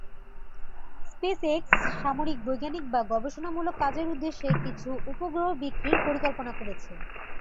SpaceX সামরিক, বৈজ্ঞানিক বা গবেষণামূলক কাজের উদ্দেশ্যে কিছু উপগ্রহ বিক্রির পরিকল্পনা করেছে।